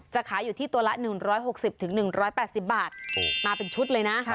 ขายอยู่ที่ตัวละ๑๖๐๑๘๐บาทมาเป็นชุดเลยนะ